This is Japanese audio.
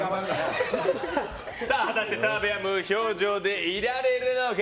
果たして澤部は無表情でいられるのか。